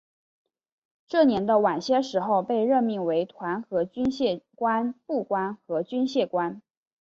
这年的晚些时候被任命为团和军械官副官和军械官。